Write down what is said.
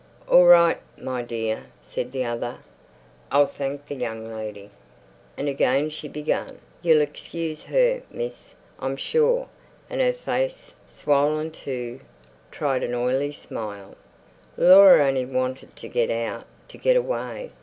"All right, my dear," said the other. "I'll thenk the young lady." And again she began, "You'll excuse her, miss, I'm sure," and her face, swollen too, tried an oily smile. Laura only wanted to get out, to get away.